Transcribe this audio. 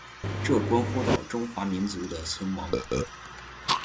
这关乎到中华民族的存亡。